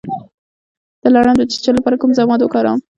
د لړم د چیچلو لپاره کوم ضماد وکاروم؟